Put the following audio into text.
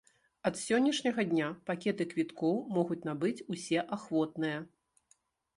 Ад сённяшняга дня пакеты квіткоў могуць набыць усе ахвотныя.